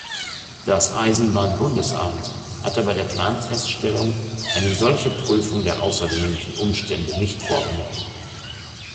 Das Eisenbahn-Bundesamt hatte bei der Planfeststellung eine solche Prüfung der außergewöhnlichen Umstände nicht vorgenommen.